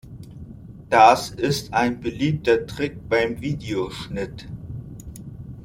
Das ist ein beliebter Trick beim Videoschnitt.